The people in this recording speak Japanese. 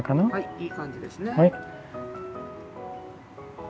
いい感じですね。